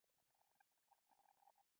آیا د کوچنیانو لپاره اختر ډیر خوندور نه وي؟